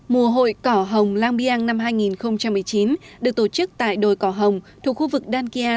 mùa hội cỏ hồng lang biang năm hai nghìn một mươi chín được tổ chức tại đồi cỏ hồng thuộc khu vực đan kia